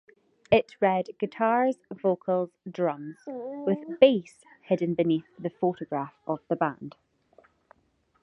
It read "guitars, vocals, drums", with "bass" hidden beneath the photograph of the band.